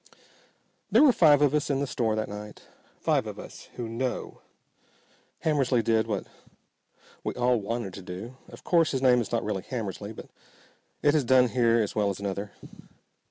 There were five of us in the store that night. Five of us who know. Hammersly did what we all wanted to do. Of course his name is not really Hammersly, but it has done here as well as another.